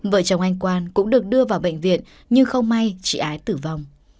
vợ chồng anh quan cũng được đưa vào bệnh viện nhưng không may chị ái tử vong